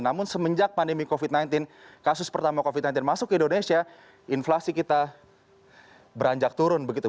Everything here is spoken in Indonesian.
namun semenjak pandemi covid sembilan belas kasus pertama covid sembilan belas masuk ke indonesia inflasi kita beranjak turun begitu